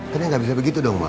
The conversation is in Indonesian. kan gak bisa begitu dong pak